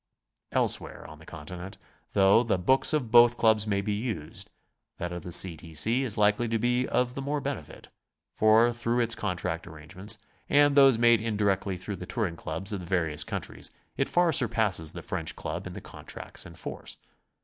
Elsewhere on the Continent, though the books of both Clubs may be used, that of the C. T. C. is likely to be of the more benefit, for through its direct arrangements, and those made indirectly through the Touring Clubs of the various countries, it far surpasses the French Club in the contracts in force.